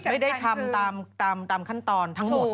ไม่ได้ทำตามขั้นตอนทั้งหมด